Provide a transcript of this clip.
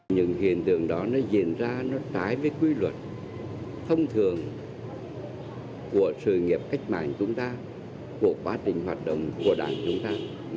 những hiện tượng đó nó diễn ra nó trái với quy luật thông thường của sự nghiệp cách mạng chúng ta của quá trình hoạt động của đảng chúng ta